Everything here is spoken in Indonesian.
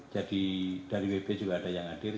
jadi dari wp juga ada yang hadir